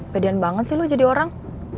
pedean banget sih lo jadi orang